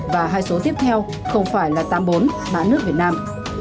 và hai số tiếp theo không phải là tám mươi bốn mã nước việt nam